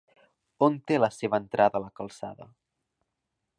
On té la seva entrada la calçada?